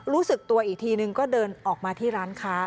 รู้สึกตัวอีกทีนึงก็เดินออกมาที่ร้านค้า